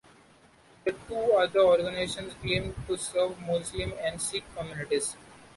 The two other organisations claimed to serve Muslim and Sikh communities.